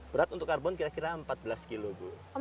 berat untuk karbon kira kira empat belas kilo bu